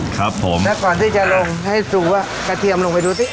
ครับผมแล้วก่อนที่จะลงให้ดูว่ากระเทียมลงไปดูสิ